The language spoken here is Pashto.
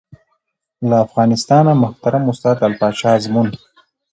له افغانستانه محترم استاد لعل پاچا ازمون